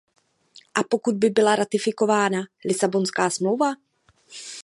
A pokud by byla ratifikována Lisabonská smlouva?